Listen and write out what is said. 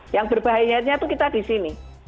yang berbahayanya itu kita di sini